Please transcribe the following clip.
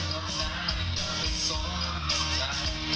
ขอร้องให้เธออย่าเมิน